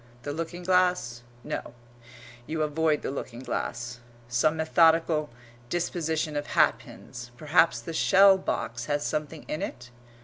The looking glass no, you avoid the looking glass. Some methodical disposition of hat pins. Perhaps the shell box has something in it?